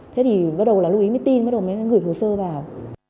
thế thì bắt đầu là lưu ý mới tin bắt đầu mới gửi hồ sơ vào